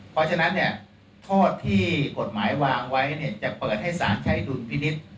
เพราะฉะนั้นโทษที่กฎหมายวางไว้จะเปิดให้สารใช้ดุลพินิษฐ์